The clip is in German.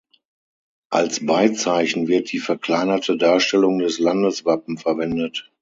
Als Beizeichen wird die verkleinerte Darstellung des Landeswappen verwendet.